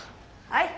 はい。